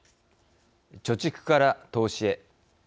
貯蓄から投資へ。